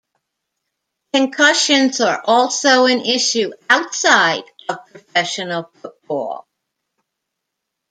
Concussions are also an issue outside of professional football.